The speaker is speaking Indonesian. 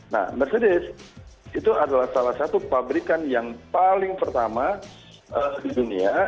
nah mercedes itu adalah salah satu pabrikan yang paling pertama di dunia